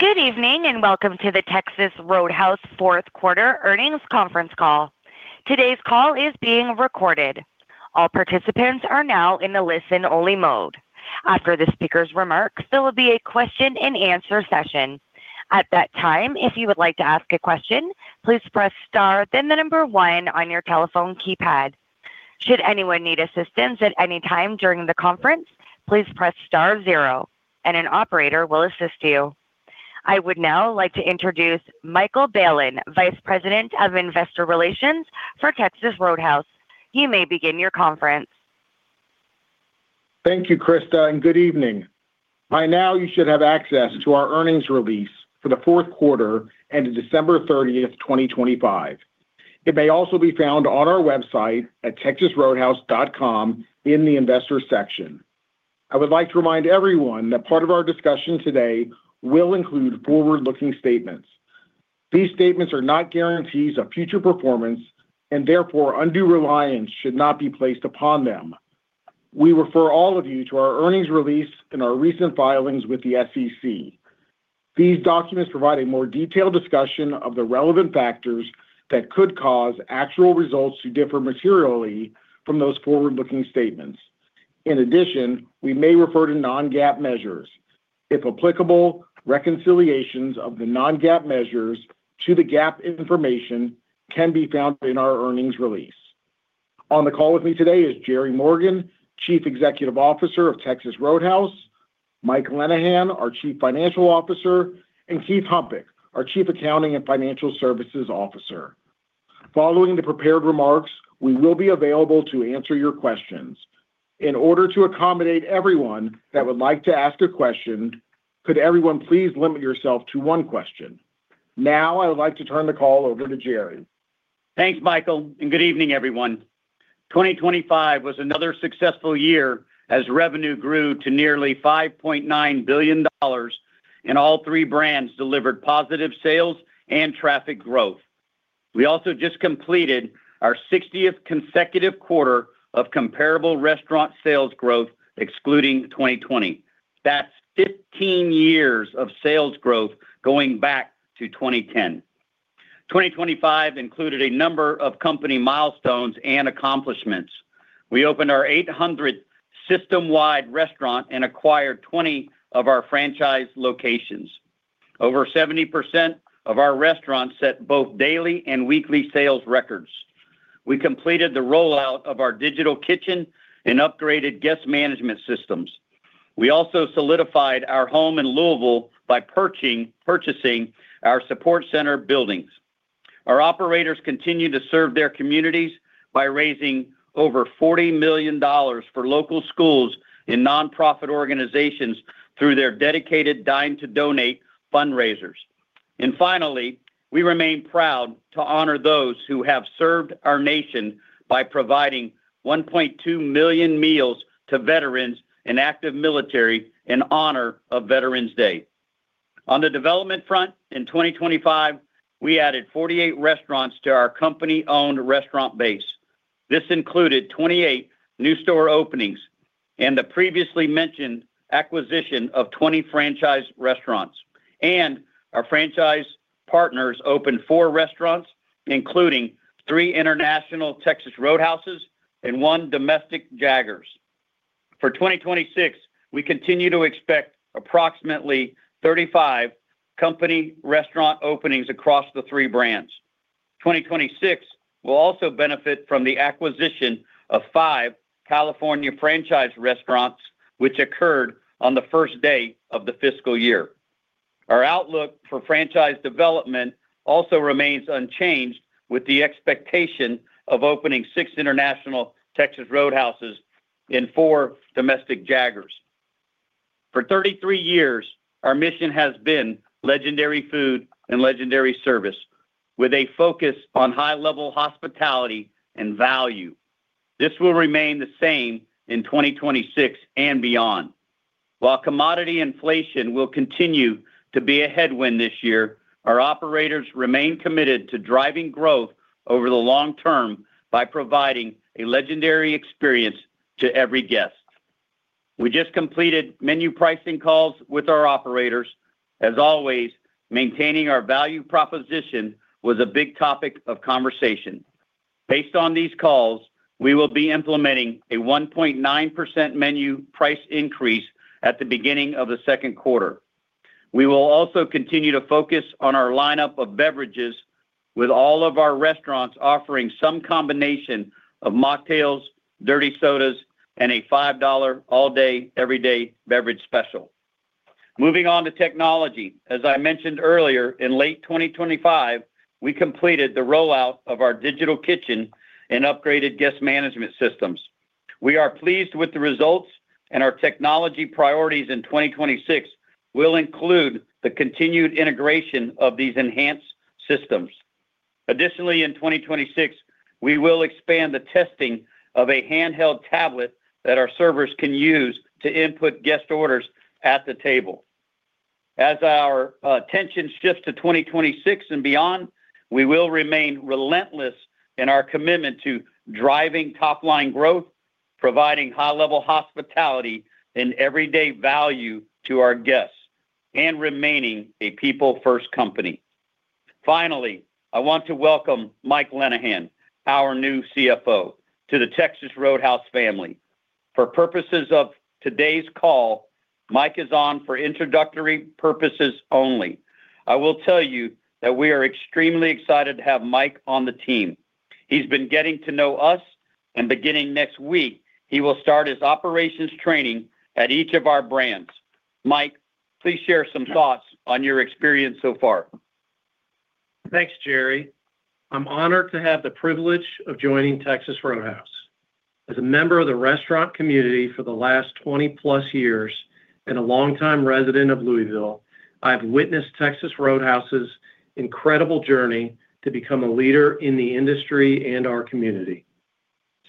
Good evening, and welcome to the Texas Roadhouse fourth quarter earnings conference call. Today's call is being recorded. All participants are now in a listen-only mode. After the speaker's remarks, there will be a question-and-answer session. At that time, if you would like to ask a question, please press star, then the number one on your telephone keypad. Should anyone need assistance at any time during the conference, please press star zero and an operator will assist you. I would now like to introduce Michael Bailen, Vice President of Investor Relations for Texas Roadhouse. You may begin your conference. Thank you, Krista, and good evening. By now, you should have access to our earnings release for the fourth quarter ending December 30th, 2025. It may also be found on our website at texasroadhouse.com in the Investor section. I would like to remind everyone that part of our discussion today will include forward-looking statements. These statements are not guarantees of future performance and therefore undue reliance should not be placed upon them. We refer all of you to our earnings release and our recent filings with the SEC. These documents provide a more detailed discussion of the relevant factors that could cause actual results to differ materially from those forward-looking statements. In addition, we may refer to non-GAAP measures. If applicable, reconciliations of the non-GAAP measures to the GAAP information can be found in our earnings release. On the call with me today is Jerry Morgan, Chief Executive Officer of Texas Roadhouse, Mike Lenihan, our Chief Financial Officer, and Keith Humpich, our Chief Accounting and Financial Services Officer. Following the prepared remarks, we will be available to answer your questions. In order to accommodate everyone that would like to ask a question, could everyone please limit yourself to one question? Now, I would like to turn the call over to Jerry. Thanks, Michael, and good evening, everyone. 2025 was another successful year as revenue grew to nearly $5.9 billion, and all three brands delivered positive sales and traffic growth. We also just completed our 60th consecutive quarter of comparable restaurant sales growth, excluding 2020. That's 15 years of sales growth going back to 2010. 2025 included a number of company milestones and accomplishments. We opened our 800th system-wide restaurant and acquired 20 of our franchise locations. Over 70% of our restaurants set both daily and weekly sales records. We completed the rollout of our Digital Kitchen and upgraded Guest Management Systems. We also solidified our home in Louisville by purchasing our support center buildings. Our operators continue to serve their communities by raising over $40 million for local schools and nonprofit organizations through their dedicated Dine to Donate fundraisers. And finally, we remain proud to honor those who have served our nation by providing 1.2 million meals to veterans and active military in honor of Veterans Day. On the development front, in 2025, we added 48 restaurants to our company-owned restaurant base. This included 28 new store openings and the previously mentioned acquisition of 20 franchise restaurants. Our franchise partners opened four restaurants, including three international Texas Roadhouse and one domestic Jaggers. For 2026, we continue to expect approximately 35 company restaurant openings across the three brands. 2026 will also benefit from the acquisition of five California franchise restaurants, which occurred on the first day of the fiscal year. Our outlook for franchise development also remains unchanged, with the expectation of opening six international Texas Roadhouse and four domestic Jaggers. For 33 years, our mission has been legendary food and legendary service, with a focus on high-level hospitality and value. This will remain the same in 2026 and beyond. While commodity inflation will continue to be a headwind this year, our operators remain committed to driving growth over the long term by providing a legendary experience to every guest. We just completed menu pricing calls with our operators. As always, maintaining our value proposition was a big topic of conversation. Based on these calls, we will be implementing a 1.9% menu price increase at the beginning of the second quarter. We will also continue to focus on our lineup of beverages with all of our restaurants offering some combination of mocktails, dirty sodas, and a $5 all-day, every-day beverage special. Moving on to technology. As I mentioned earlier, in late 2025, we completed the rollout of our Digital Kitchen and upgraded Guest Management Systems. We are pleased with the results, and our technology priorities in 2026 will include the continued integration of these enhanced systems. Additionally, in 2026, we will expand the testing of a handheld tablet that our servers can use to input guest orders at the table. As our attention shifts to 2026 and beyond, we will remain relentless in our commitment to driving top-line growth. Providing high level hospitality and everyday value to our guests, and remaining a people first company. Finally, I want to welcome Mike Lenihan, our new CFO, to the Texas Roadhouse family. For purposes of today's call, Mike is on for introductory purposes only. I will tell you that we are extremely excited to have Mike on the team. He's been getting to know us, and beginning next week, he will start his operations training at each of our brands. Mike, please share some thoughts on your experience so far. Thanks, Jerry. I'm honored to have the privilege of joining Texas Roadhouse. As a member of the restaurant community for the last 20+ years, and a longtime resident of Louisville, I've witnessed Texas Roadhouse's incredible journey to become a leader in the industry and our community.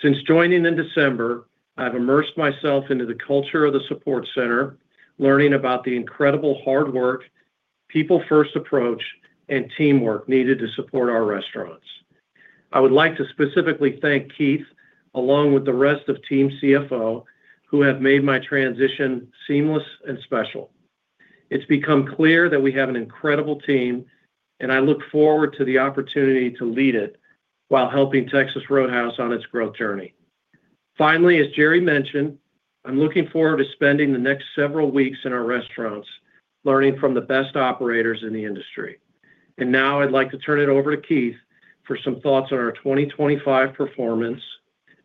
Since joining in December, I've immersed myself into the culture of the support center, learning about the incredible hard work, people first approach, and teamwork needed to support our restaurants. I would like to specifically thank Keith, along with the rest of Team CFO, who have made my transition seamless and special. It's become clear that we have an incredible team, and I look forward to the opportunity to lead it while helping Texas Roadhouse on its growth journey. Finally, as Jerry mentioned, I'm looking forward to spending the next several weeks in our restaurants, learning from the best operators in the industry. Now I'd like to turn it over to Keith for some thoughts on our 2025 performance,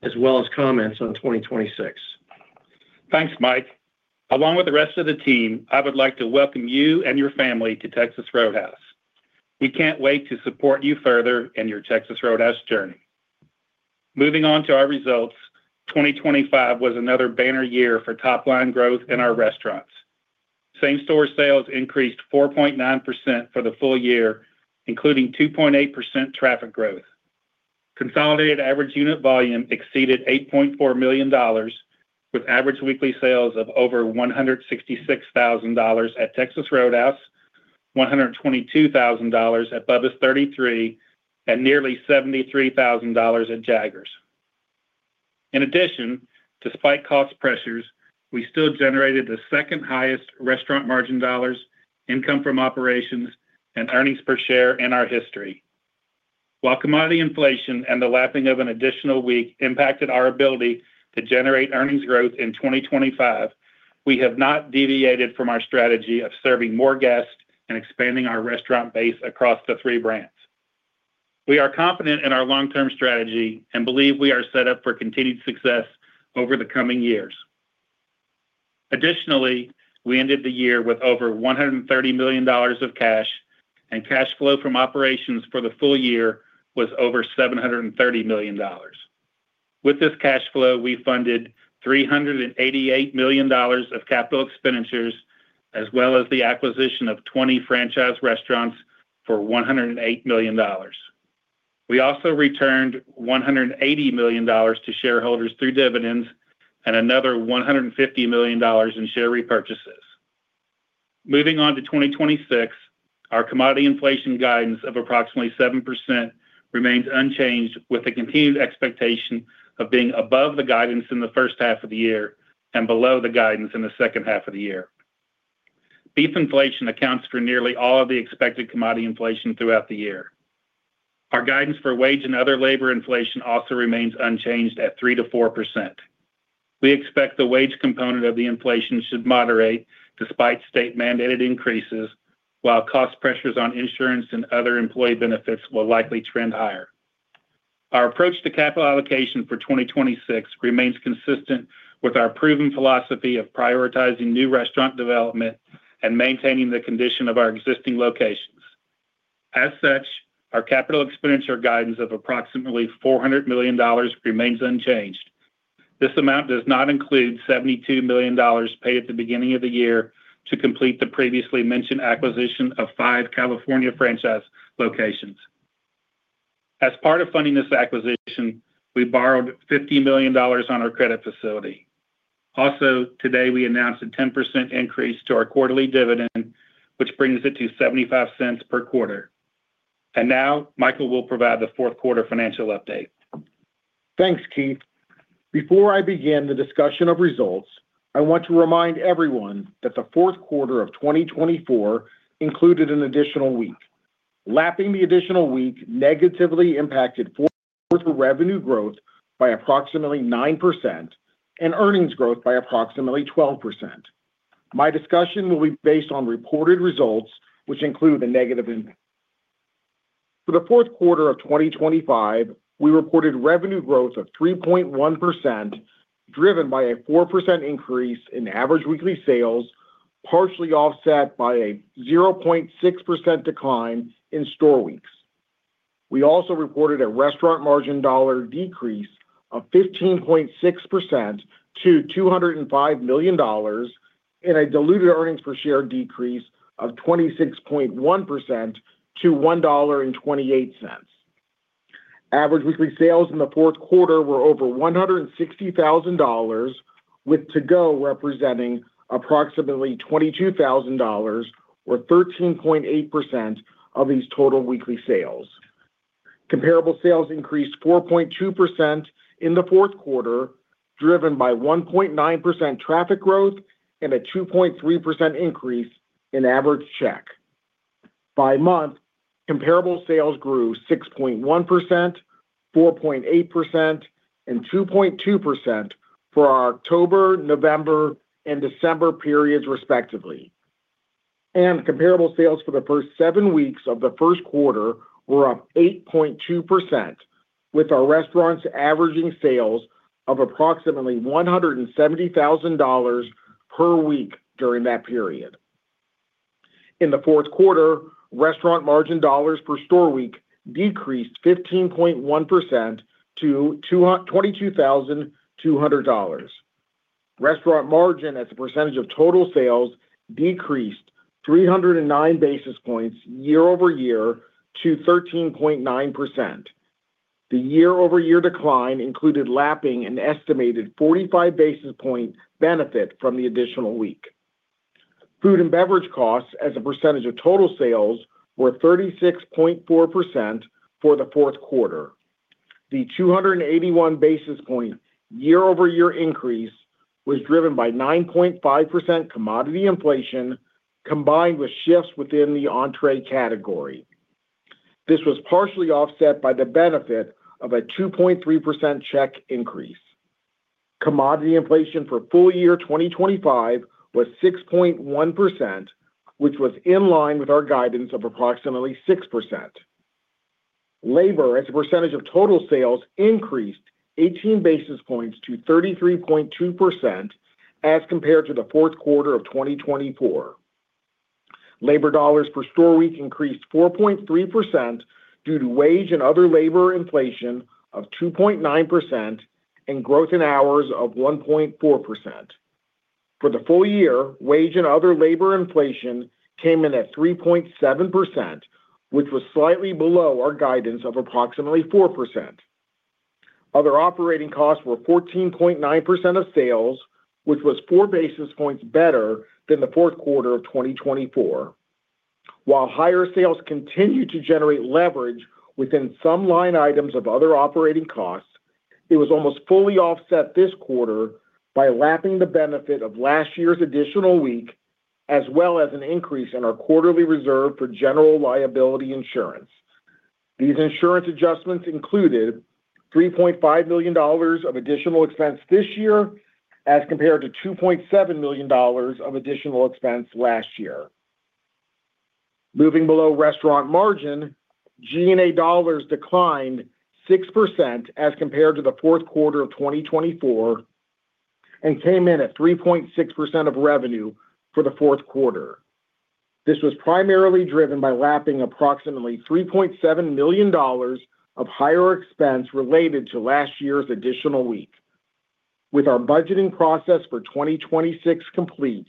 as well as comments on 2026. Thanks, Mike. Along with the rest of the team, I would like to welcome you and your family to Texas Roadhouse. We can't wait to support you further in your Texas Roadhouse journey. Moving on to our results, 2025 was another banner year for top-line growth in our restaurants. Same-store sales increased 4.9% for the full year, including 2.8% traffic growth. Consolidated average unit volume exceeded $8.4 million, with average weekly sales of over $166,000 at Texas Roadhouse, $122,000 at Bubba's 33, and nearly $73,000 at Jaggers. In addition, despite cost pressures, we still generated the second highest restaurant margin dollars, income from operations, and earnings per share in our history. While commodity inflation and the lapping of an additional week impacted our ability to generate earnings growth in 2025, we have not deviated from our strategy of serving more guests and expanding our restaurant base across the three brands. We are confident in our long-term strategy and believe we are set up for continued success over the coming years. Additionally, we ended the year with over $130 million of cash, and cash flow from operations for the full year was over $730 million. With this cash flow, we funded $388 million of capital expenditures, as well as the acquisition of 20 franchise restaurants for $108 million. We also returned $180 million to shareholders through dividends and another $150 million in share repurchases. Moving on to 2026, our commodity inflation guidance of approximately 7% remains unchanged, with the continued expectation of being above the guidance in the first half of the year and below the guidance in the second half of the year. Beef inflation accounts for nearly all of the expected commodity inflation throughout the year. Our guidance for wage and other labor inflation also remains unchanged at 3%-4%. We expect the wage component of the inflation should moderate despite state-mandated increases, while cost pressures on insurance and other employee benefits will likely trend higher. Our approach to capital allocation for 2026 remains consistent with our proven philosophy of prioritizing new restaurant development and maintaining the condition of our existing locations. As such, our capital expenditure guidance of approximately $400 million remains unchanged. This amount does not include $72 million paid at the beginning of the year to complete the previously mentioned acquisition of five California franchise locations. As part of funding this acquisition, we borrowed $50 million on our credit facility. Also, today, we announced a 10% increase to our quarterly dividend, which brings it to $0.75 per quarter. Now Michael will provide the fourth quarter financial update. Thanks, Keith. Before I begin the discussion of results, I want to remind everyone that the fourth quarter of 2024 included an additional week. Lapping the additional week negatively impacted fourth quarter revenue growth by approximately 9% and earnings growth by approximately 12%. My discussion will be based on reported results, which include the negative impact. For the fourth quarter of 2025, we reported revenue growth of 3.1%, driven by a 4% increase in average weekly sales, partially offset by a 0.6% decline in store weeks. We also reported a restaurant margin dollar decrease of 15.6% to $205 million, and a diluted earnings per share decrease of 26.1% to $1.28. Average weekly sales in the fourth quarter were over $160,000, with to-go representing approximately $22,000 or 13.8% of these total weekly sales. Comparable sales increased 4.2% in the fourth quarter, driven by 1.9% traffic growth and a 2.3% increase in average check. By month, comparable sales grew 6.1%, 4.8%, and 2.2% for our October, November, and December periods respectively. And comparable sales for the first seven weeks of the first quarter were up 8.2%, with our restaurants averaging sales of approximately $170,000 per week during that period. In the fourth quarter, restaurant margin dollars per store week decreased 15.1% to $22,200. Restaurant margin as a percentage of total sales decreased 309 basis points year-over-year to 13.9%. The year-over-year decline included lapping an estimated 45 basis point benefit from the additional week. Food and beverage costs as a percentage of total sales were 36.4% for the fourth quarter. The 281 basis point year-over-year increase was driven by 9.5% commodity inflation, combined with shifts within the entree category. This was partially offset by the benefit of a 2.3% check increase. Commodity inflation for full year 2025 was 6.1%, which was in line with our guidance of approximately 6%. Labor as a percentage of total sales increased 18 basis points to 33.2% as compared to the fourth quarter of 2024. Labor dollars per store week increased 4.3% due to wage and other labor inflation of 2.9% and growth in hours of 1.4%. For the full year, wage and other labor inflation came in at 3.7%, which was slightly below our guidance of approximately 4%. Other operating costs were 14.9% of sales, which was four basis points better than the fourth quarter of 2024. While higher sales continued to generate leverage within some line items of other operating costs, it was almost fully offset this quarter by lapping the benefit of last year's additional week, as well as an increase in our quarterly reserve for general liability insurance. These insurance adjustments included $3.5 million of additional expense this year, as compared to $2.7 million of additional expense last year. Moving below restaurant margin, G&A dollars declined 6% as compared to the fourth quarter of 2024 and came in at 3.6% of revenue for the fourth quarter. This was primarily driven by lapping approximately $3.7 million of higher expense related to last year's additional week. With our budgeting process for 2026 complete,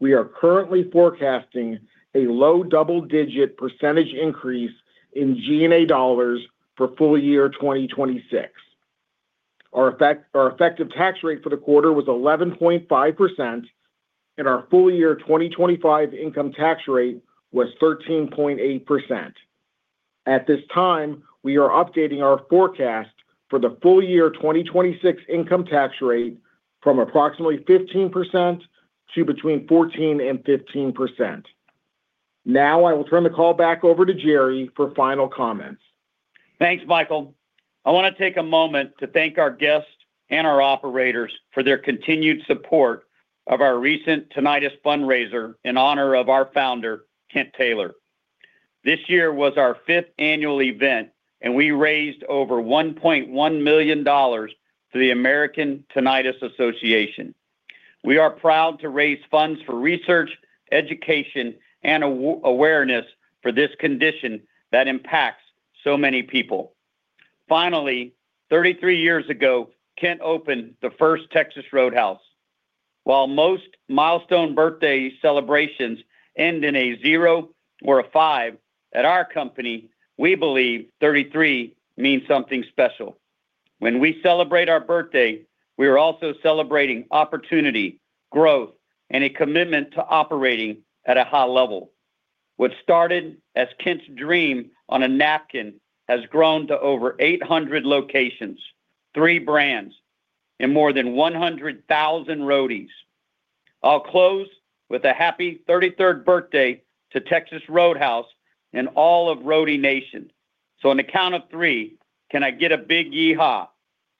we are currently forecasting a low double-digit percentage increase in G&A dollars for full year 2026. Our effective tax rate for the quarter was 11.5%, and our full year 2025 income tax rate was 13.8%. At this time, we are updating our forecast for the full year 2026 income tax rate from approximately 15% to between 14% and 15%. Now, I will turn the call back over to Jerry for final comments. Thanks, Michael. I want to take a moment to thank our guests and our operators for their continued support of our recent tinnitus fundraiser in honor of our founder, Kent Taylor. This year was our fifth annual event, and we raised over $1.1 million to the American Tinnitus Association. We are proud to raise funds for research, education, and awareness for this condition that impacts so many people. Finally, 33 years ago, Kent opened the first Texas Roadhouse. While most milestone birthday celebrations end in a zero or a five, at our company, we believe 33 means something special. When we celebrate our birthday, we are also celebrating opportunity, growth, and a commitment to operating at a high level. What started as Kent's dream on a napkin has grown to over 800 locations, three brands, and more than 100,000 Roadies. I'll close with a happy 33rd birthday to Texas Roadhouse and all of Roadie Nation. So on the count of three, can I get a big yee-haw?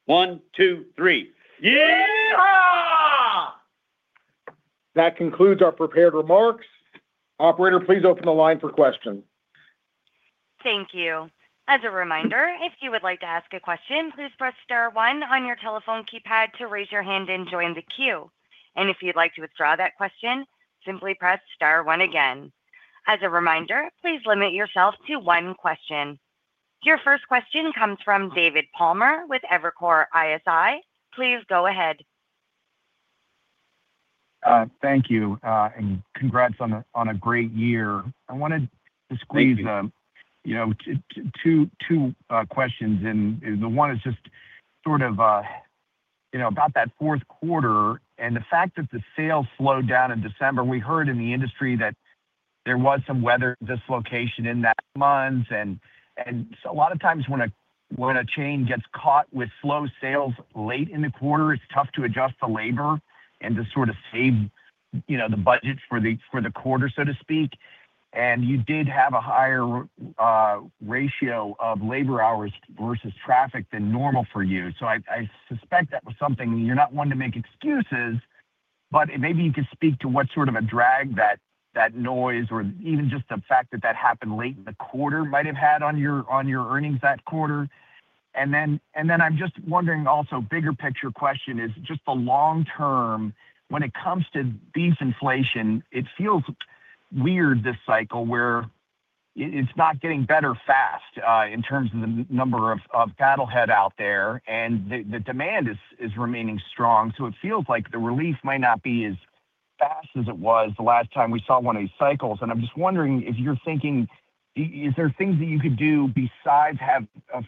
1, 2, 3. Yee-haw! That concludes our prepared remarks. Operator, please open the line for questions. Thank you. As a reminder, if you would like to ask a question, please press star one on your telephone keypad to raise your hand and join the queue. If you'd like to withdraw that question, simply press star one again. As a reminder, please limit yourself to one question. Your first question comes from David Palmer with Evercore ISI. Please go ahead. Thank you, and congrats on a great year. I wanted to squeeze- Thank you.... you know, two questions, and the one is just sort of-... you know, about that fourth quarter and the fact that the sales slowed down in December, we heard in the industry that there was some weather dislocation in that month. And so a lot of times when a chain gets caught with slow sales late in the quarter, it's tough to adjust the labor and to sort of save, you know, the budget for the quarter, so to speak. And you did have a higher ratio of labor hours versus traffic than normal for you. So I suspect that was something. You're not one to make excuses, but maybe you could speak to what sort of a drag that noise or even just the fact that that happened late in the quarter might have had on your earnings that quarter. I'm just wondering also, bigger picture question is, just the long term when it comes to beef inflation, it feels weird this cycle where it's not getting better fast in terms of the number of cattle head out there, and the demand is remaining strong. So it feels like the relief might not be as fast as it was the last time we saw one of these cycles. And I'm just wondering if you're thinking, is there things that you could do besides have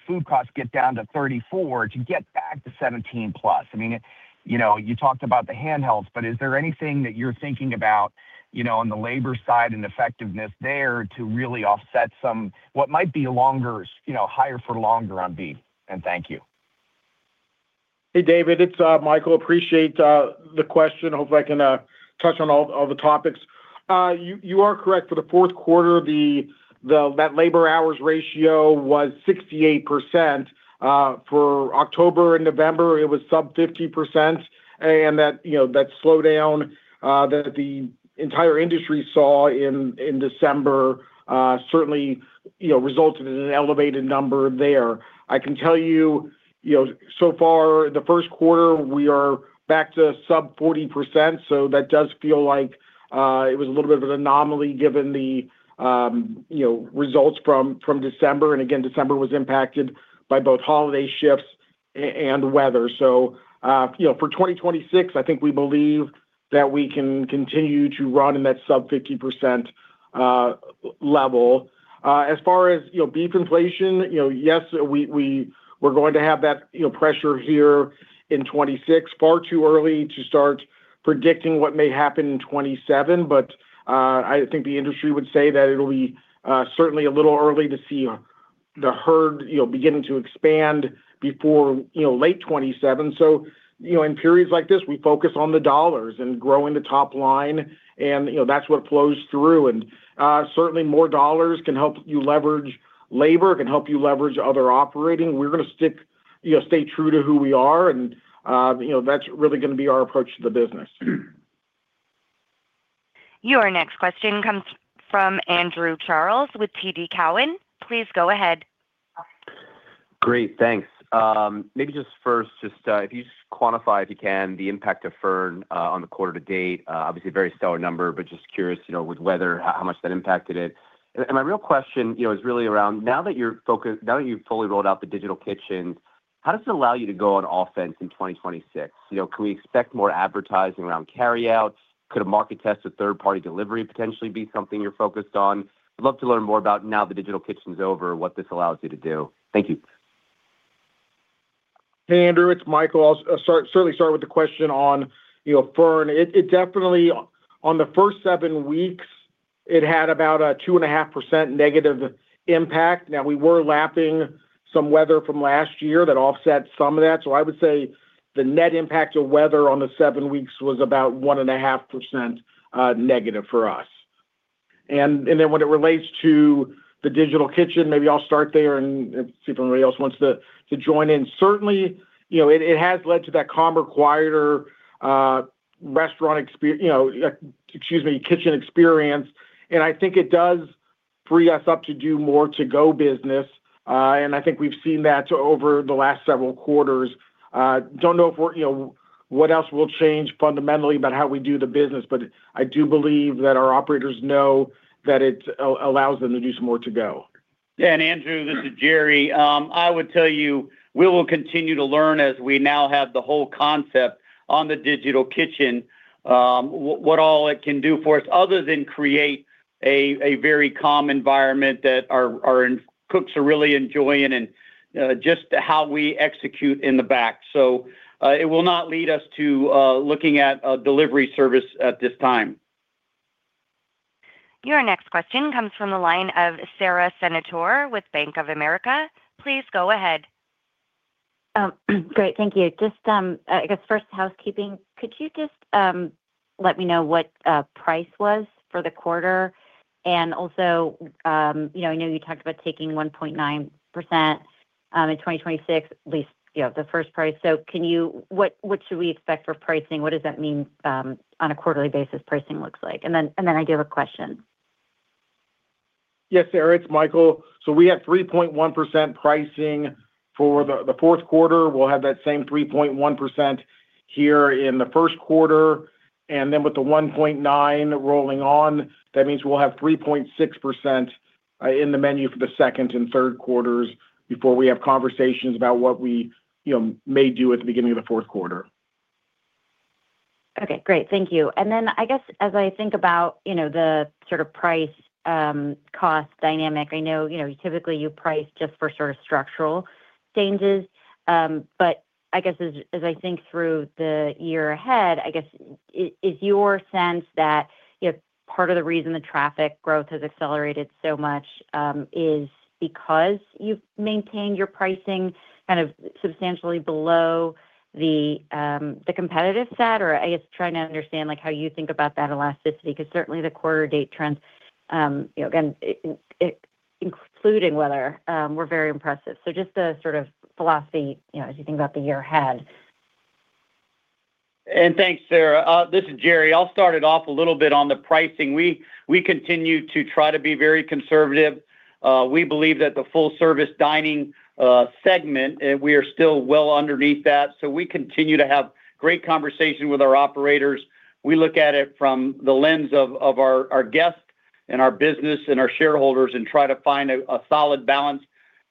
food costs get down to 34 to get back to 17+? I mean, you know, you talked about the handhelds, but is there anything that you're thinking about, you know, on the labor side and effectiveness there to really offset some, what might be longer, you know, higher for longer on beef? And thank you. Hey, David, it's Michael. Appreciate the question. Hopefully, I can touch on all the topics. You are correct. For the fourth quarter, that labor hours ratio was 68%. For October and November, it was sub 50%. And that, you know, that slowdown that the entire industry saw in December certainly, you know, resulted in an elevated number there. I can tell you, you know, so far, the first quarter, we are back to sub 40%, so that does feel like it was a little bit of an anomaly given the, you know, results from December. And again, December was impacted by both holiday shifts and weather. So, you know, for 2026, I think we believe that we can continue to run in that sub 50% level. As far as, you know, beef inflation, you know, yes, we're going to have that, you know, pressure here in 2026. Far too early to start predicting what may happen in 2027, but I think the industry would say that it'll be certainly a little early to see the herd, you know, beginning to expand before, you know, late 2027. So, you know, in periods like this, we focus on the dollars and growing the top line, and, you know, that's what flows through. And certainly, more dollars can help you leverage labor, can help you leverage other operating. We're going to stick, you know, stay true to who we are, and, you know, that's really going to be our approach to the business. Your next question comes from Andrew Charles with TD Cowen. Please go ahead. Great. Thanks. Maybe first, if you can, quantify the impact of Fern on the quarter to date. Obviously a very stellar number, but just curious, you know, with weather, how much that impacted it. And my real question, you know, is really around now that you're focused, now that you've fully rolled out the Digital Kitchen, how does it allow you to go on offense in 2026? You know, can we expect more advertising around carryouts? Could a market test or third-party delivery potentially be something you're focused on? I'd love to learn more about now the Digital Kitchen is over, what this allows you to do. Thank you. Hey, Andrew, it's Michael. I'll start, certainly start with the question on, you know, Fern. It definitely, on the first 7 weeks, it had about a 2.5%- impact. Now, we were lapping some weather from last year that offset some of that. So I would say the net impact of weather on the 7 weeks was about 1.5%- for us. And then when it relates to the Digital Kitchen, maybe I'll start there and see if anybody else wants to join in. Certainly, you know, it has led to that calmer, quieter restaurant experience, you know, excuse me, kitchen experience, and I think it does free us up to do more to-go business. And I think we've seen that over the last several quarters. Don't know if, you know, what else will change fundamentally about how we do the business, but I do believe that our operators know that it allows them to do some more to-go. Yeah, and Andrew, this is Jerry. I would tell you, we will continue to learn as we now have the whole concept on the Digital Kitchen, what all it can do for us other than create a very calm environment that our cooks are really enjoying and just how we execute in the back. So, it will not lead us to looking at a delivery service at this time. Your next question comes from the line of Sara Senatore with Bank of America. Please go ahead. Great. Thank you. Just, I guess first, housekeeping. Could you just, let me know what price was for the quarter? And also, you know, I know you talked about taking 1.9% in 2026, at least, you know, the first price. So can you, what should we expect for pricing? What does that mean, on a quarterly basis, pricing looks like? And then I do have a question. Yes, Sarah, it's Michael. So we had 3.1% pricing for the fourth quarter. We'll have that same 3.1% here in the first quarter, and then with the 1.9% rolling on, that means we'll have 3.6% in the menu for the second and third quarters before we have conversations about what we, you know, may do at the beginning of the fourth quarter. Okay, great. Thank you. And then I guess, as I think about, you know, the sort of price, cost dynamic, I know, you know, typically you price just for sort of structural changes. But I guess as I think through the year ahead, I guess, is your sense that if part of the reason the traffic growth has accelerated so much, is because you've maintained your pricing kind of substantially below the, the competitive set? Or I guess trying to understand, like, how you think about that elasticity, 'cause certainly the quarter date trends, you know, again, it, including weather, were very impressive. So just the sort of philosophy, you know, as you think about the year ahead. Thanks, Sarah. This is Jerry. I'll start it off a little bit on the pricing. We continue to try to be very conservative. We believe that the full-service dining segment, and we are still well underneath that. So we continue to have great conversation with our operators. We look at it from the lens of our guests and our business and our shareholders and try to find a solid balance.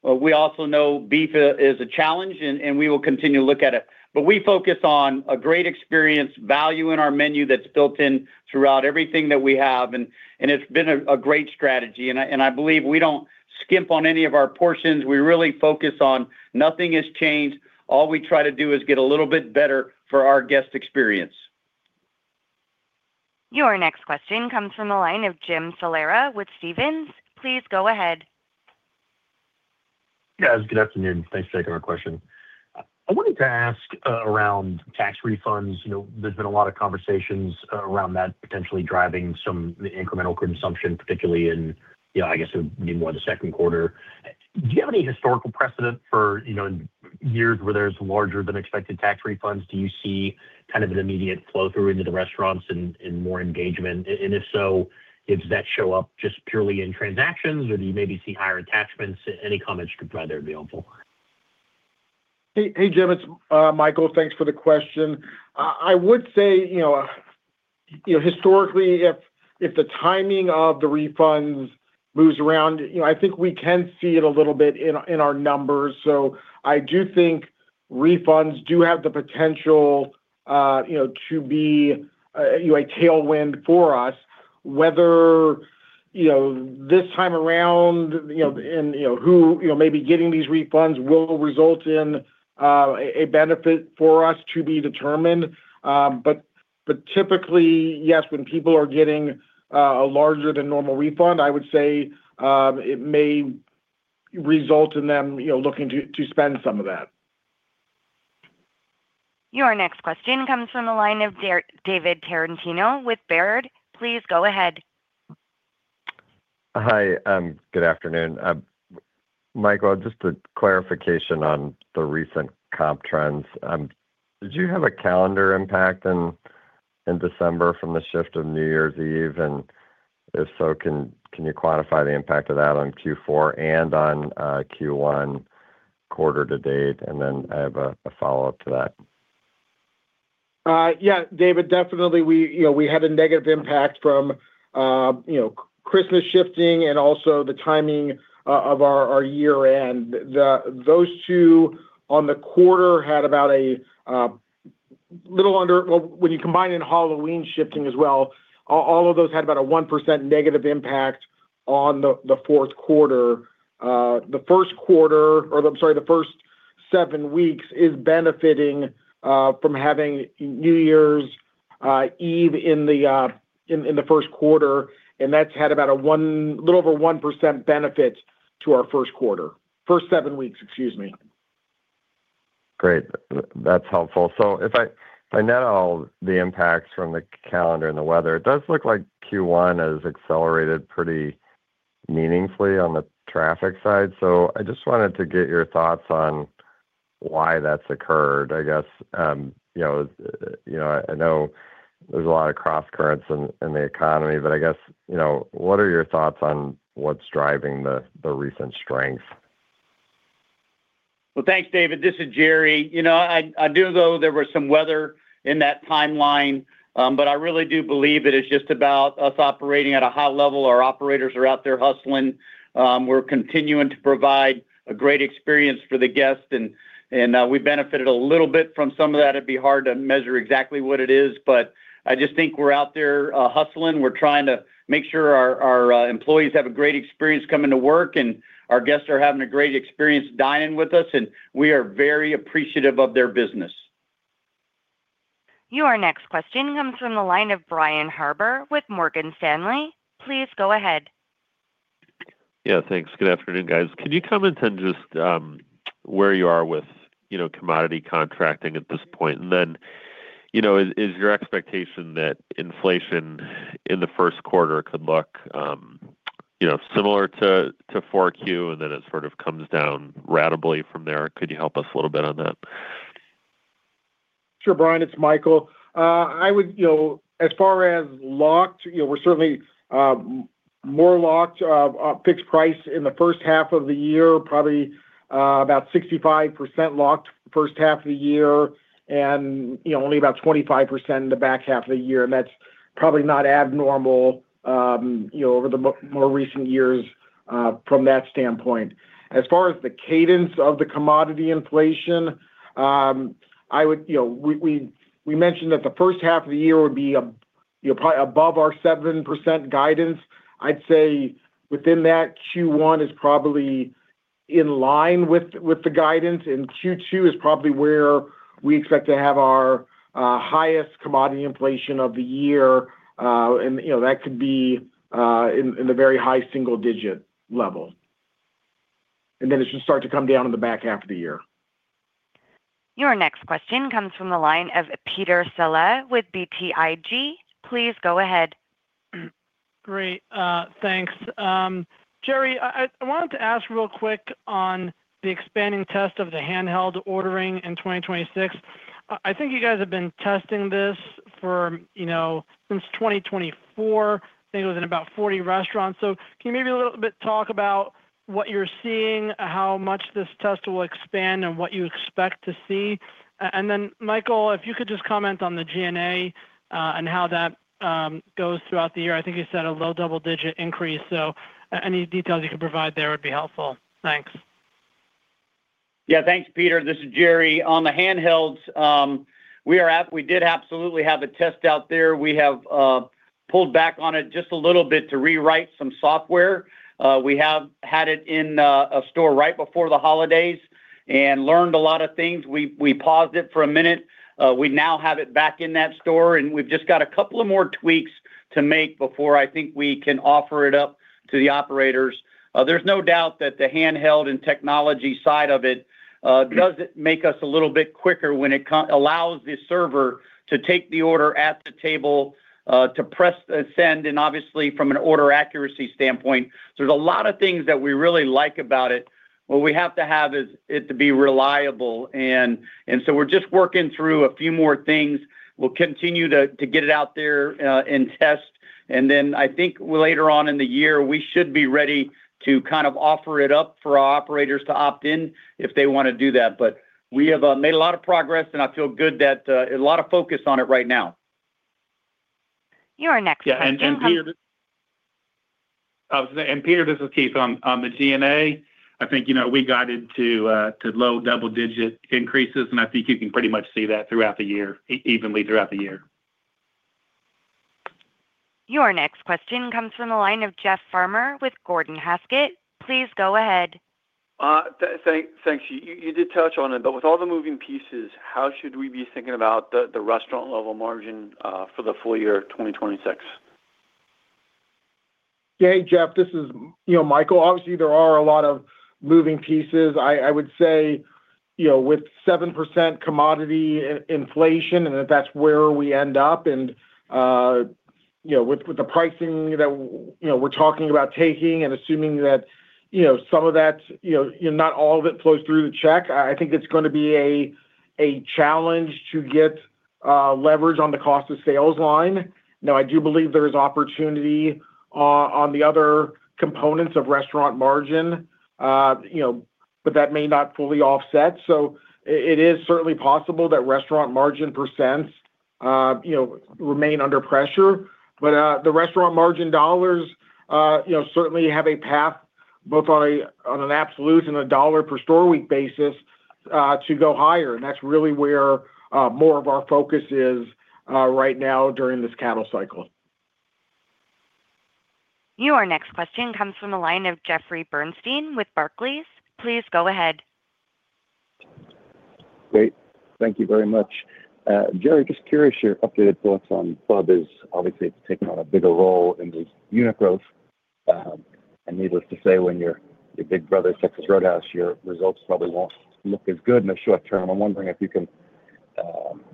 We also know beef is a challenge, and we will continue to look at it. But we focus on a great experience, value in our menu that's built in throughout everything that we have, and it's been a great strategy. And I believe we don't skimp on any of our portions. We really focus on nothing has changed. All we try to do is get a little bit better for our guest experience. Your next question comes from the line of Jim Salera with Stephens. Please go ahead. Yes, good afternoon. Thanks for taking our question. I wanted to ask around tax refunds. You know, there's been a lot of conversations around that, potentially driving some incremental consumption, particularly in, you know, I guess, it would be more the second quarter. Do you have any historical precedent for, you know, years where there's larger than expected tax refunds? Do you see kind of an immediate flow-through into the restaurants and, and more engagement? And if so, does that show up just purely in transactions, or do you maybe see higher attachments? Any comments you could provide there would be helpful. Hey, hey, Jim, it's Michael. Thanks for the question. I would say, you know, you know, historically, if the timing of the refunds moves around, you know, I think we can see it a little bit in our numbers. So I do think refunds do have the potential, you know, to be you know, a tailwind for us, whether you know, this time around, you know, and who you know, may be getting these refunds will result in a benefit for us to be determined. But typically, yes, when people are getting a larger than normal refund, I would say, it may result in them you know, looking to spend some of that. Your next question comes from the line of David Tarantino with Baird. Please go ahead. Hi, good afternoon. Michael, just a clarification on the recent comp trends. Did you have a calendar impact in December from the shift of New Year's Eve? And if so, can you quantify the impact of that on Q4 and on Q1 quarter to date? And then I have a follow-up to that. Yeah, David, definitely, we, you know, we had a negative impact from, you know, Christmas shifting and also the timing of our year-end. Those two on the quarter had about a little under... Well, when you combine in Halloween shifting as well, all of those had about a 1% negative impact on the fourth quarter. The first quarter, or I'm sorry, the first seven weeks is benefiting from having New Year's Eve in the first quarter, and that's had about a little over 1% benefit to our first quarter. First seven weeks, excuse me. Great. That's helpful. So if I net all the impacts from the calendar and the weather, it does look like Q1 has accelerated pretty meaningfully on the traffic side. So I just wanted to get your thoughts on why that's occurred. I guess, you know, I know there's a lot of cross currents in the economy, but I guess, you know, what are your thoughts on what's driving the recent strength? Well, thanks, David. This is Jerry. You know, I do know there was some weather in that timeline, but I really do believe it is just about us operating at a high level. Our operators are out there hustling. We're continuing to provide a great experience for the guests, and we benefited a little bit from some of that. It'd be hard to measure exactly what it is, but I just think we're out there hustling. We're trying to make sure our employees have a great experience coming to work, and our guests are having a great experience dining with us, and we are very appreciative of their business. Your next question comes from the line of Brian Harbor with Morgan Stanley. Please go ahead. Yeah, thanks. Good afternoon, guys. Could you comment on just where you are with, you know, commodity contracting at this point? And then, you know, is your expectation that inflation in the first quarter could look, you know, similar to 4Q, and then it sort of comes down ratably from there? Could you help us a little bit on that? Sure, Brian, it's Michael. I would. You know, as far as locked, you know, we're certainly more locked on fixed price in the first half of the year, probably about 65% locked first half of the year, and, you know, only about 25% in the back half of the year. And that's probably not abnormal, you know, over the more recent years from that standpoint. As far as the cadence of the commodity inflation, I would—you know, we mentioned that the first half of the year would be. You're probably above our 7% guidance. I'd say within that, Q1 is probably in line with the guidance, and Q2 is probably where we expect to have our highest commodity inflation of the year. And, you know, that could be in the very high single digit level. And then it should start to come down in the back half of the year. Your next question comes from the line of Peter Saleh with BTIG. Please go ahead. Great, thanks. Jerry, I wanted to ask real quick on the expanding test of the handheld ordering in 2026. I think you guys have been testing this for, you know, since 2024. I think it was in about 40 restaurants. So can you maybe a little bit talk about what you're seeing, how much this test will expand, and what you expect to see? And then, Michael, if you could just comment on the G&A, and how that goes throughout the year. I think you said a low double-digit increase, so any details you could provide there would be helpful. Thanks. Yeah. Thanks, Peter. This is Jerry. On the handhelds, we did absolutely have a test out there. We have pulled back on it just a little bit to rewrite some software. We have had it in a store right before the holidays and learned a lot of things. We paused it for a minute. We now have it back in that store, and we've just got a couple of more tweaks to make before I think we can offer it up to the operators. There's no doubt that the handheld and technology side of it does make us a little bit quicker when it allows the server to take the order at the table to press send, and obviously, from an order accuracy standpoint. There's a lot of things that we really like about it. What we have to have is it to be reliable, and so we're just working through a few more things. We'll continue to get it out there and test, and then I think later on in the year, we should be ready to kind of offer it up for our operators to opt in if they wanna do that. But we have made a lot of progress, and I feel good that a lot of focus on it right now. Your next question comes- Yeah, and Peter, this is Keith. On the G&A, I think, you know, we guided to low double-digit increases, and I think you can pretty much see that throughout the year, evenly throughout the year. Your next question comes from the line of Jeff Farmer with Gordon Haskett. Please go ahead. Thanks. You did touch on it, but with all the moving pieces, how should we be thinking about the restaurant-level margin for the full year of 2026? Hey, Jeff, this is, you know, Michael. Obviously, there are a lot of moving pieces. I would say, you know, with 7% commodity inflation, and if that's where we end up, and you know, with the pricing that you know, we're talking about taking and assuming that, you know, some of that, you know, not all of it flows through the check, I think it's gonna be a challenge to get leverage on the cost of sales line. Now, I do believe there is opportunity on the other components of restaurant margin, you know, but that may not fully offset. So it is certainly possible that restaurant margin percent, you know, remain under pressure. But, the restaurant margin dollars, you know, certainly have a path, both on an absolute and a dollar per store week basis, to go higher, and that's really where more of our focus is, right now during this cattle cycle. Your next question comes from the line of Jeffrey Bernstein with Barclays. Please go ahead. Great. Thank you very much. Jerry, just curious, your updated thoughts on Bubba's. Obviously, it's taking on a bigger role in this unit growth. Needless to say, when your, your big brother, Texas Roadhouse, your results probably won't look as good in the short term. I'm wondering if you can,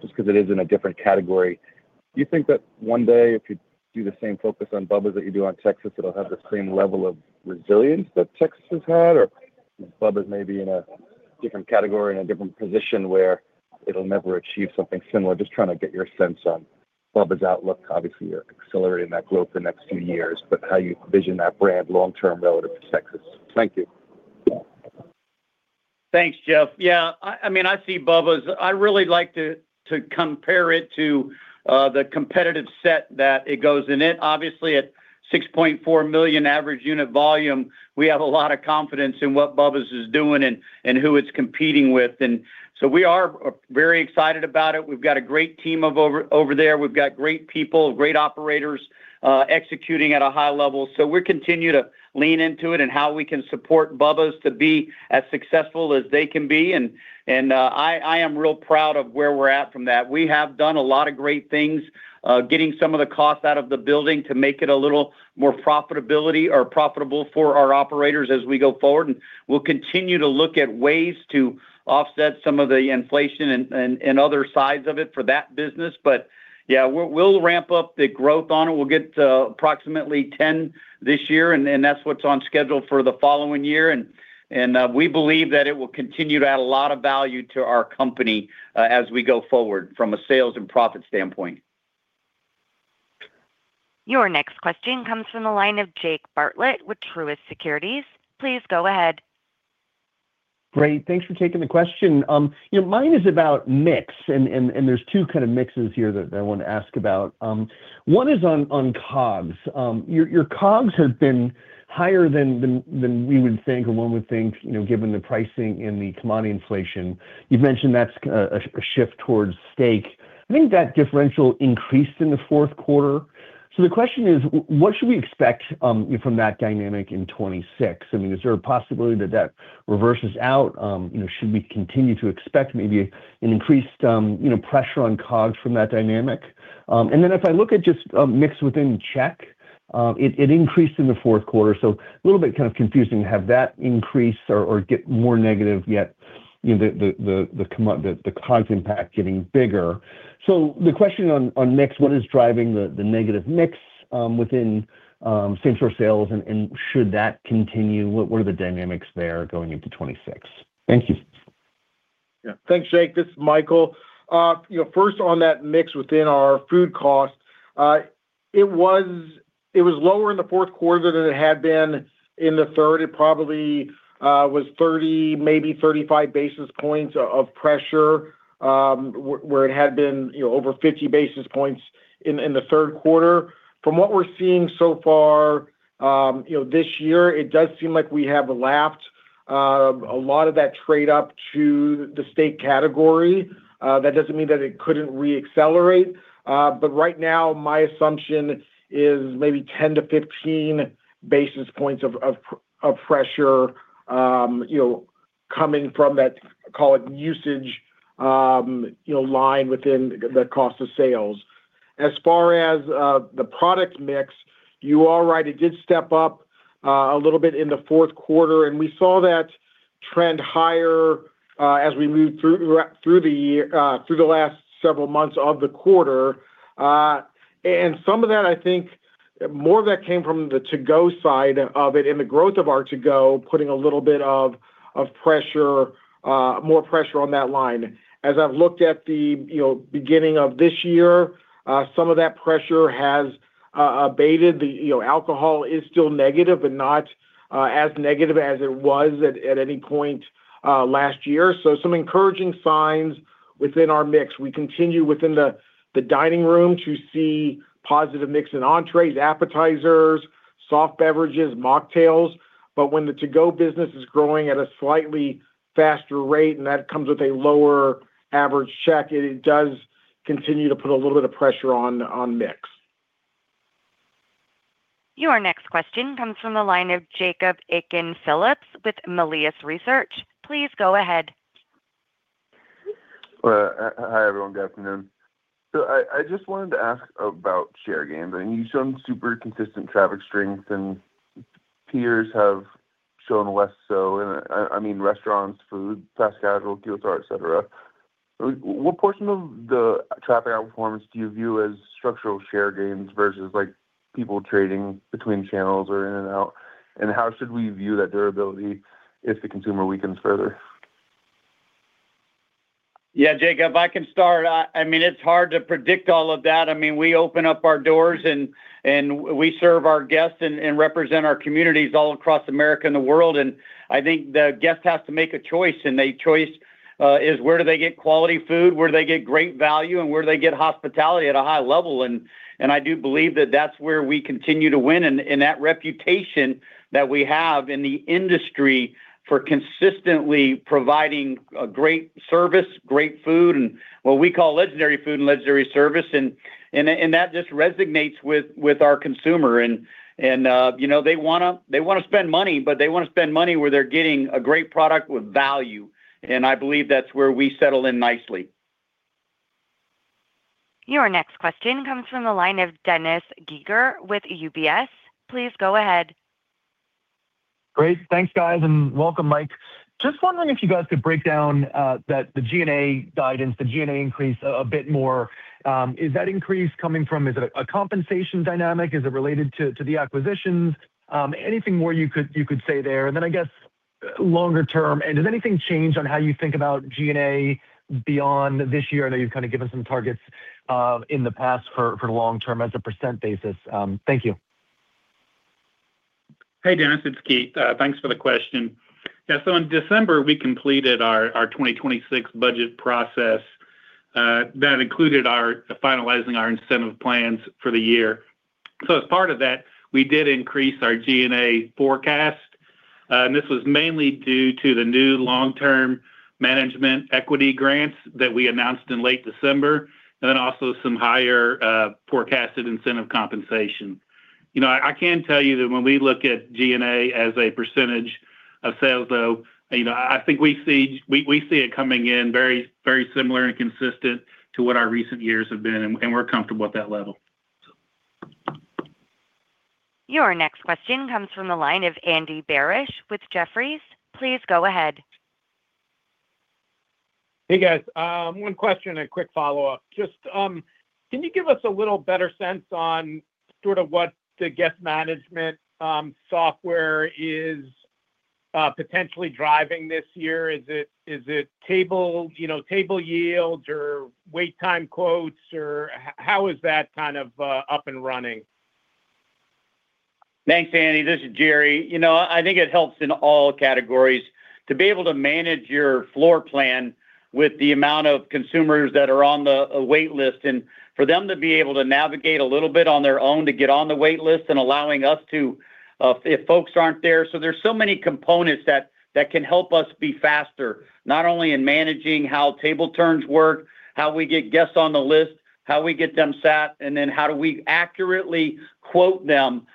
just because it is in a different category, do you think that one day, if you do the same focus on Bubba's that you do on Texas, it'll have the same level of resilience that Texas has had? Or Bubba's may be in a different category and a different position where it'll never achieve something similar. Just trying to get your sense on Bubba's outlook. Obviously, you're accelerating that growth the next few years, but how you envision that brand long-term relative to Texas? Thank you. Thanks, Jeff. Yeah, I mean, I see Bubba's... I really like to compare it to the competitive set that it goes in it. Obviously, at $6.4 million average unit volume, we have a lot of confidence in what Bubba's is doing and I am real proud of where we're at from that. We have done a lot of great things, getting some of the cost out of the building to make it a little more profitability or profitable for our operators as we go forward, and we'll continue to look at ways to offset some of the inflation and other sides of it for that business. But yeah, we'll ramp up the growth on it. We'll get to approximately 10 this year, and that's what's on schedule for the following year. And we believe that it will continue to add a lot of value to our company, as we go forward from a sales and profit standpoint. Your next question comes from the line of Jake Bartlett with Truist Securities. Please go ahead. Great. Thanks for taking the question. Yeah, mine is about mix, and there's two kind of mixes here that I want to ask about. One is on COGS. Your COGS have been higher than we would think, or one would think, you know, given the pricing and the commodity inflation. You've mentioned that's a shift towards steak. I think that differential increased in the fourth quarter. So the question is: What should we expect from that dynamic in 2026? I mean, is there a possibility that that reverses out? You know, should we continue to expect maybe an increased pressure on COGS from that dynamic? And then if I look at just mix within check, it increased in the fourth quarter, so a little bit kind of confusing to have that increase or get more negative, yet, you know, the COGS impact getting bigger. So the question on mix, what is driving the negative mix within same-store sales, and should that continue? What are the dynamics there going into 2026? Thank you. Yeah. Thanks, Jake. This is Michael. You know, first on that mix within our food cost, it was lower in the fourth quarter than it had been in the third. It probably was 30, maybe 35 basis points of pressure, where it had been, you know, over 50 basis points in the third quarter. From what we're seeing so far, you know, this year, it does seem like we have lapped a lot of that trade up to the steak category. That doesn't mean that it couldn't reaccelerate, but right now, my assumption is maybe 10-15 basis points of pressure, you know, coming from that, call it, usage line within the cost of sales. As far as the product mix, you are right, it did step up a little bit in the fourth quarter, and we saw that trend higher as we moved through the year, through the last several months of the quarter. Some of that, I think, more of that came from the to-go side of it, and the growth of our to-go putting a little bit of pressure, more pressure on that line. As I've looked at the beginning of this year, some of that pressure has abated. The alcohol is still negative, but not as negative as it was at any point last year. So some encouraging signs within our mix. We continue within the dining room to see positive mix in entrees, appetizers, soft beverages, mocktails. But when the to-go business is growing at a slightly faster rate, and that comes with a lower average check, it does continue to put a little bit of pressure on mix. Your next question comes from the line of Jacob Aiken-Phillips with Melius Research. Please go ahead. Hi, everyone. Good afternoon. So I just wanted to ask about share gains. I mean, you've shown super consistent traffic strength, and peers have shown less so, and I mean, restaurants, food, fast casual, QSR, et cetera. What portion of the traffic outperformance do you view as structural share gains versus, like, people trading between channels or in and out? And how should we view that durability if the consumer weakens further? Yeah, Jacob, I can start. I mean, it's hard to predict all of that. I mean, we open up our doors, and we serve our guests and represent our communities all across America and the world, and I think the guest has to make a choice. The choice is: Where do they get quality food? Where do they get great value? And where do they get hospitality at a high level? I do believe that that's where we continue to win. That reputation that we have in the industry for consistently providing a great service, great food, and what we call legendary food and legendary service, and that just resonates with our consumer. you know, they wanna spend money, but they wanna spend money where they're getting a great product with value, and I believe that's where we settle in nicely. Your next question comes from the line of Dennis Geiger with UBS. Please go ahead. Great. Thanks, guys, and welcome, Mike. Just wondering if you guys could break down the G&A guidance, the G&A increase a bit more. Is that increase coming from? Is it a compensation dynamic? Is it related to the acquisitions? Anything more you could say there? And then, I guess, longer term, does anything change on how you think about G&A beyond this year? I know you've kind of given some targets in the past for the long term as a percent basis. Thank you. Hey, Dennis, it's Keith. Thanks for the question. Yeah, so in December, we completed our 2026 budget process that included our finalizing our incentive plans for the year. So as part of that, we did increase our G&A forecast, and this was mainly due to the new long-term management equity grants that we announced in late December, and then also some higher forecasted incentive compensation. You know, I, I can tell you that when we look at G&A as a percentage of sales, though, you know, I think we see—we, we see it coming in very, very similar and consistent to what our recent years have been, and, and we're comfortable at that level, so. Your next question comes from the line of Andy Barish with Jefferies. Please go ahead. Hey, guys. One question and a quick follow-up. Just, can you give us a little better sense on sort of what the guest management software is potentially driving this year? Is it, is it table, you know, table yields or wait time quotes, or how is that kind of up and running? Thanks, Andy. This is Jerry. You know, I think it helps in all categories to be able to manage your floor plan with the amount of consumers that are on the, a wait list, and for them to be able to navigate a little bit on their own to get on the wait list and allowing us to, if folks aren't there. So there's so many components that can help us be faster, not only in managing how table turns work, how we get guests on the list, how we get them sat, and then how do we accurately quote them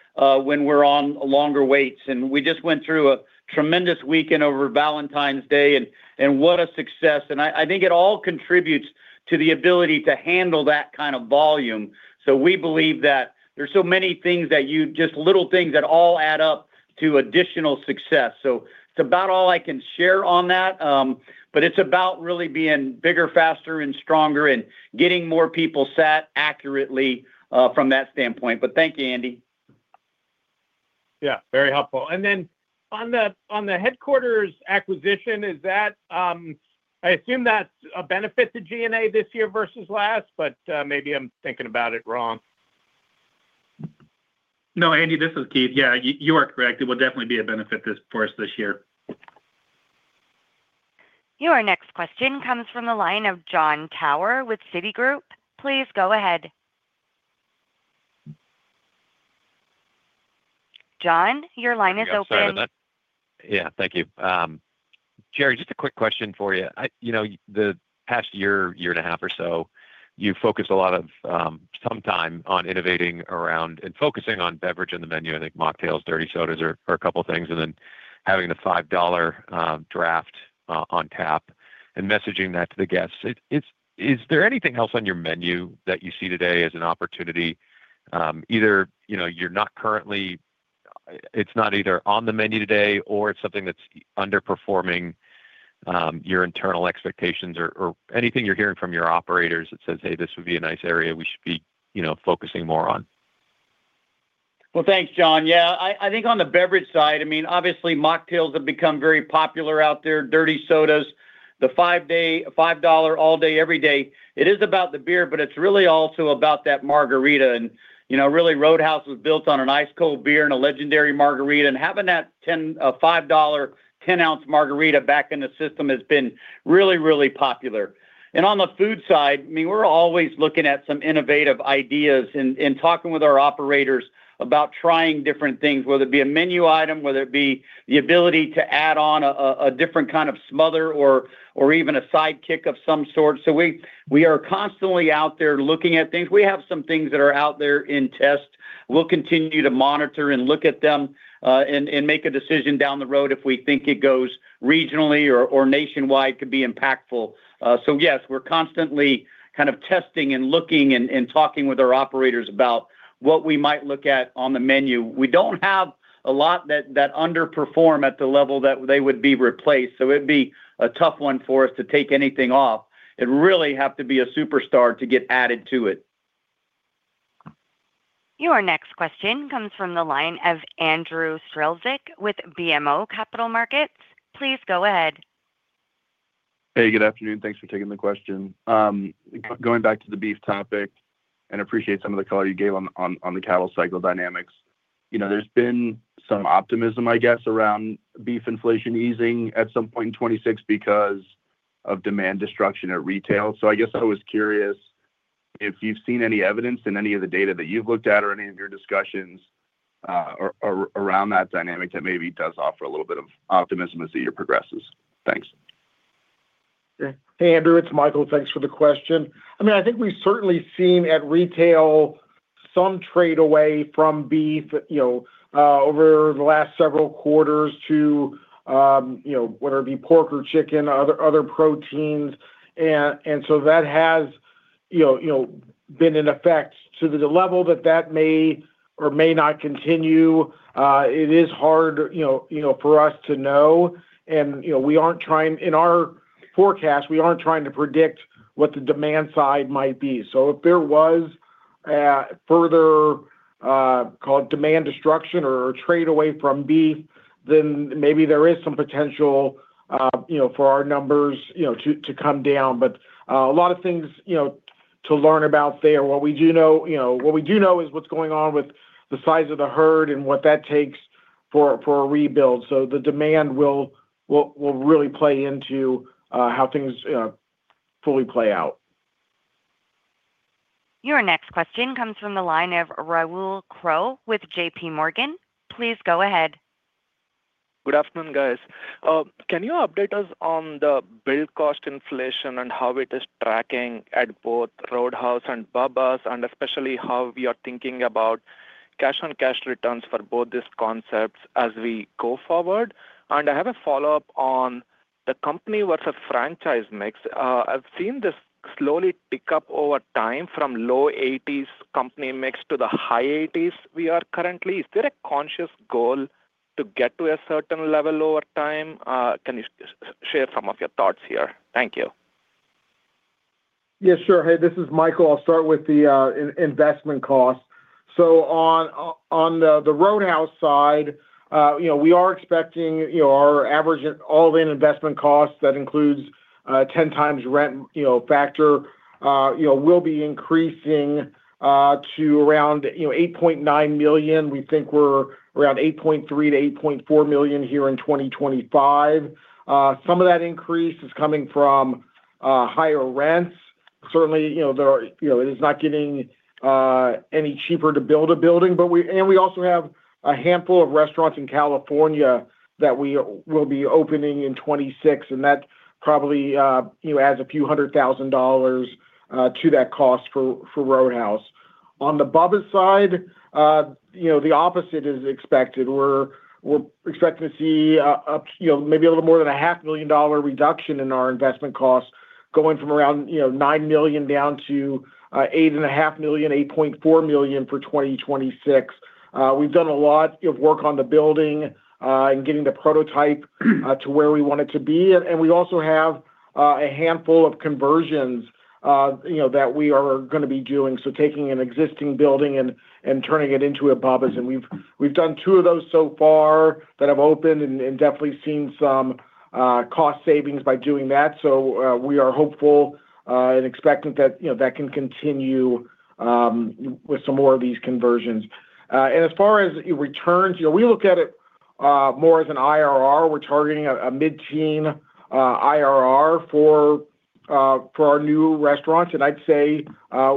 when we're on longer waits. And we just went through a tremendous weekend over Valentine's Day, and what a success! And I think it all contributes to the ability to handle that kind of volume. So we believe that there's so many things that you just little things that all add up to additional success. So that's about all I can share on that, but it's about really being bigger, faster and stronger and getting more people sat accurately from that standpoint. But thank you, Andy. Yeah, very helpful. And then on the headquarters acquisition, is that a benefit to G&A this year versus last, but maybe I'm thinking about it wrong. No, Andy, this is Keith. Yeah, you are correct. It will definitely be a benefit this, for us this year. Your next question comes from the line of Jon Tower with Citigroup. Please go ahead. John, your line is open. There we go. Sorry about that. Yeah, thank you. Jerry, just a quick question for you. I, you know, the past year, year and a half or so, you've focused a lot of some time on innovating around and focusing on beverages on the menu. I think mocktails, dirty sodas are a couple of things, and then having the $5 draft on tap and messaging that to the guests. It's. Is there anything else on your menu that you see today as an opportunity, either, you know, you're not currently—it's not either on the menu today or it's something that's underperforming your internal expectations or anything you're hearing from your operators that says, "Hey, this would be a nice area we should be, you know, focusing more on? Well, thanks, John. Yeah, I, I think on the beverage side, I mean, obviously, mocktails have become very popular out there, dirty sodas. The 5-day, $5 all-day every day, it is about the beer, but it's really also about that margarita. And, you know, really, Roadhouse was built on an ice-cold beer and a legendary margarita, and having that 10 $5 10-ounce margarita back in the system has been really, really popular. And on the food side, I mean, we're always looking at some innovative ideas and, and talking with our operators about trying different things, whether it be a menu item, whether it be the ability to add on a, a, a different kind of smother or, or even a Sidekick of some sort. So we, we are constantly out there looking at things. We have some things that are out there in test. We'll continue to monitor and look at them, and make a decision down the road if we think it goes regionally or nationwide, could be impactful. So yes, we're constantly kind of testing and looking and talking with our operators about what we might look at on the menu. We don't have a lot that underperform at the level that they would be replaced, so it'd be a tough one for us to take anything off. It really have to be a superstar to get added to it. Your next question comes from the line of Andrew Strelzik with BMO Capital Markets. Please go ahead. Hey, good afternoon. Thanks for taking the question. Going back to the beef topic, and appreciate some of the color you gave on the cattle cycle dynamics. You know, there's been some optimism, I guess, around beef inflation easing at some point in 2026 because of demand destruction at retail. So I guess I was curious if you've seen any evidence in any of the data that you've looked at or any of your discussions around that dynamic that maybe does offer a little bit of optimism as the year progresses. Thanks. Hey, Andrew, it's Michael. Thanks for the question. I mean, I think we've certainly seen at retail some trade away from beef, you know, over the last several quarters to, you know, whether it be pork or chicken, other, other proteins. And so that has, you know, been in effect. To the level that that may or may not continue, it is hard, you know, for us to know. And, you know, we aren't trying. In our forecast, we aren't trying to predict what the demand side might be. So if there was, further, call it demand destruction or trade away from beef, then maybe there is some potential, you know, for our numbers, you know, to come down. But, a lot of things, you know, to learn about there. What we do know, you know, what we do know is what's going on with the size of the herd and what that takes for a rebuild. So the demand will really play into how things fully play out. Your next question comes from the line of Rahul Krotthapalli with JPMorgan. Please go ahead. Good afternoon, guys. Can you update us on the build cost inflation and how it is tracking at both Roadhouse and Bubba's, and especially how we are thinking about cash-on-cash returns for both these concepts as we go forward? I have a follow-up on the company versus franchise mix. I've seen this slowly pick up over time from low 80s company mix to the high 80s we are currently. Is there a conscious goal to get to a certain level over time? Can you share some of your thoughts here? Thank you. Yeah, sure. Hey, this is Michael. I'll start with the investment costs. So on the Roadhouse side, you know, we are expecting, you know, our average all-in investment costs, that includes 10x rent, you know, factor, you know, will be increasing to around, you know, $8.9 million. We think we're around $8.3 million-$8.4 million here in 2025. Some of that increase is coming from higher rents. Certainly, you know, there are, you know, it is not getting any cheaper to build a building. But we also have a handful of restaurants in California that we will be opening in 2026, and that probably, you know, adds a few hundred thousand dollars to that cost for Roadhouse. On the Bubba's side, you know, the opposite is expected. We're expecting to see a, you know, maybe a little more than $500,000 reduction in our investment costs, going from around, you know, $9 million down to $8.5 million, $8.4 million for 2026. We've done a lot of work on the building and getting the prototype to where we want it to be. And we also have a handful of conversions, you know, that we are gonna be doing. So taking an existing building and turning it into a Bubba's, and we've done two of those so far that have opened and definitely seen some cost savings by doing that. So, we are hopeful and expectant that, you know, that can continue with some more of these conversions. And as far as returns, you know, we look at it more as an IRR. We're targeting a mid-teen IRR for our new restaurants, and I'd say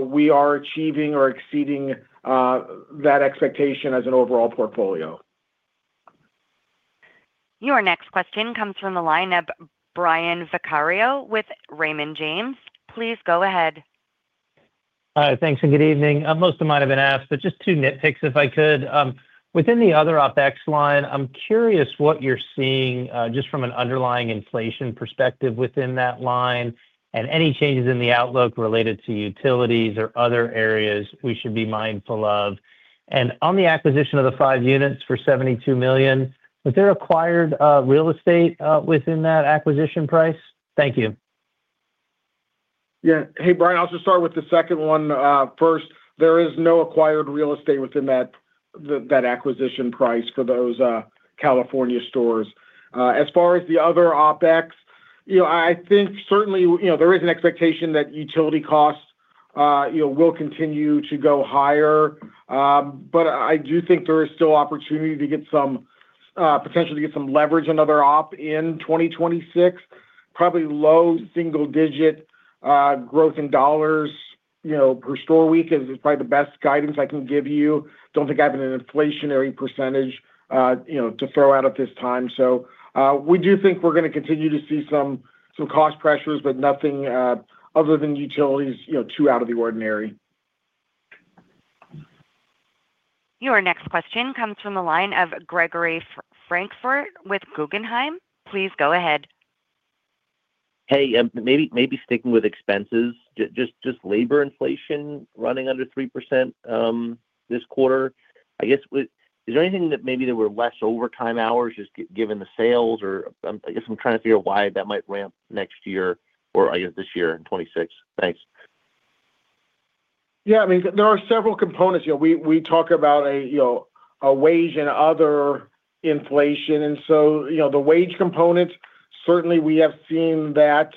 we are achieving or exceeding that expectation as an overall portfolio. Your next question comes from the line of Brian Vaccaro with Raymond James. Please go ahead. Thanks, and good evening. Most of them might have been asked, but just two nitpicks, if I could. Within the other OpEx line, I'm curious what you're seeing, just from an underlying inflation perspective within that line, and any changes in the outlook related to utilities or other areas we should be mindful of. And on the acquisition of the 5 units for $72 million, was there acquired real estate within that acquisition price? Thank you. Yeah. Hey, Brian, I'll just start with the second one first. There is no acquired real estate within that acquisition price for those California stores. As far as the other OpEx, you know, I think certainly, you know, there is an expectation that utility costs will continue to go higher. But I do think there is still opportunity to get some potentially to get some leverage, another op in 2026. Probably low single-digit growth in dollars per store week is probably the best guidance I can give you. Don't think I have an inflationary percentage to throw out at this time. So, we do think we're gonna continue to see some cost pressures, but nothing other than utilities too out of the ordinary. Your next question comes from the line of Gregory Francfort with Guggenheim. Please go ahead. Hey, maybe sticking with expenses, just labor inflation running under 3% this quarter. I guess, is there anything that maybe there were less overtime hours just given the sales? Or, I guess I'm trying to figure out why that might ramp next year or, I guess, this year in 2026. Thanks. Yeah, I mean, there are several components. You know, we talk about a wage and other inflation. And so, you know, the wage component, certainly we have seen that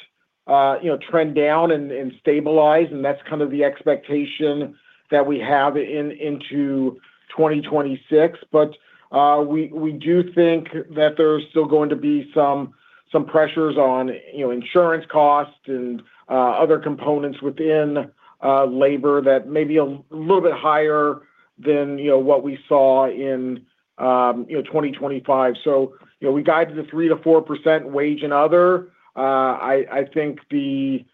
trend down and stabilize, and that's kind of the expectation that we have into 2026. But we do think that there's still going to be some pressures on insurance costs and other components within labor that may be a little bit higher than what we saw in 2025. So, you know, we guided the 3%-4% wage and other. I think the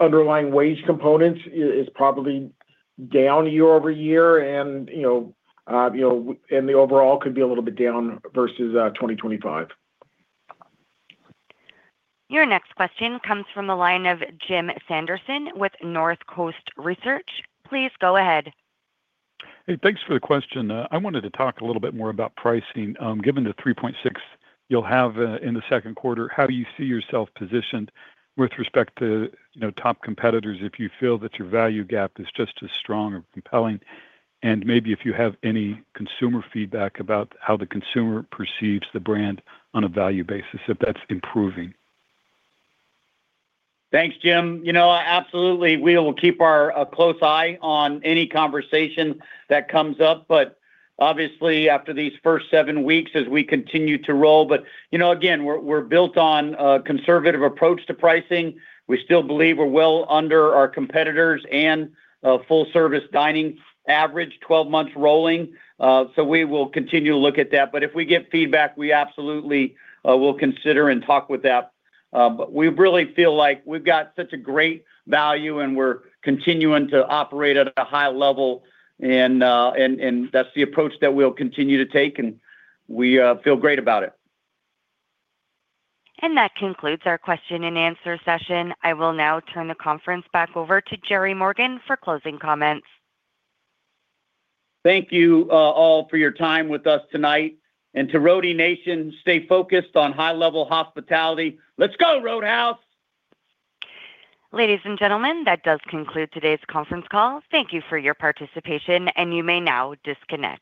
underlying wage component is probably down year-over-year, and you know, the overall could be a little bit down versus 2025. Your next question comes from the line of Jim Sanderson with North Coast Research. Please go ahead. Hey, thanks for the question. I wanted to talk a little bit more about pricing. Given the 3.6 you'll have in the second quarter, how do you see yourself positioned with respect to, you know, top competitors, if you feel that your value gap is just as strong or compelling? And maybe if you have any consumer feedback about how the consumer perceives the brand on a value basis, if that's improving. Thanks, Jim. You know, absolutely, we will keep a close eye on any conversation that comes up, but obviously, after these first seven weeks, as we continue to roll. But, you know, again, we're built on a conservative approach to pricing. We still believe we're well under our competitors and a full-service dining average, 12 months rolling. So we will continue to look at that. But if we get feedback, we absolutely will consider and talk with that. But we really feel like we've got such a great value, and we're continuing to operate at a high level, and that's the approach that we'll continue to take, and we feel great about it. That concludes our question-and-answer session. I will now turn the conference back over to Jerry Morgan for closing comments. Thank you, all, for your time with us tonight. To Roadie Nation, stay focused on high-level hospitality. Let's go, Roadhouse! Ladies and gentlemen, that does conclude today's conference call. Thank you for your participation, and you may now disconnect.